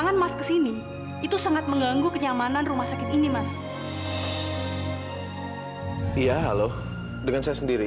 gak usah alena